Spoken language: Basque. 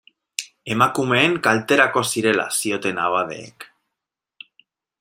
Emakumeen kalterako zirela zioten abadeek.